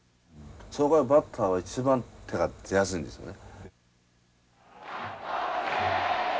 そのかわりバッターは一番手が出やすいんですよね。